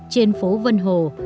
trên phố vân hồ